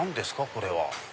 これは。